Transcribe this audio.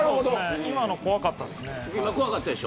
今の怖かったですね。